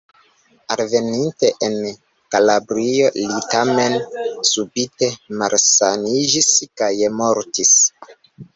Alveninte en Kalabrio li tamen subite malsaniĝis kaj mortis.